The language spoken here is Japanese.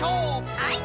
はい。